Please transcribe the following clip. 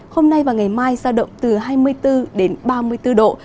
hôm nay và ngày mai giao động từ hai mươi bốn đến ba mươi bốn độ